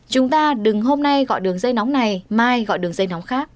chúng ta đừng hôm nay gọi đường dây nóng này mai gọi đường dây nóng khác